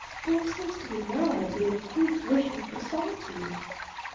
There seems to be no idea of grief wishing for solitude.